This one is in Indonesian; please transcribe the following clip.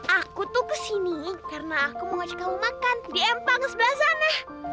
aku tuh kesini karena aku mau ajak kamu makan di empang sebelah sana